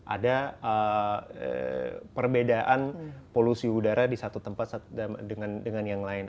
ada perbedaan polusi udara di satu tempat dengan yang lain